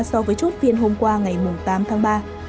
so với chốt phiên hôm qua ngày tám tháng ba